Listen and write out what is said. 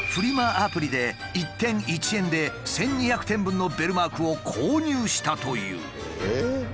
アプリで１点１円で１，２００点分のベルマークを購入したという。